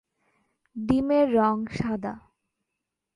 ডিমের রং সাদা।